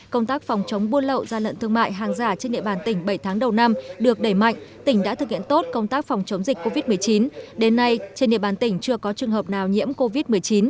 công tác phòng chống buôn lậu gian lận thương mại hàng giả trên địa bàn tỉnh bảy tháng đầu năm được đẩy mạnh tỉnh đã thực hiện tốt công tác phòng chống dịch covid một mươi chín đến nay trên địa bàn tỉnh chưa có trường hợp nào nhiễm covid một mươi chín